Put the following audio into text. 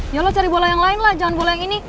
ya lo cari bola yang lain lah jangan bola yang ini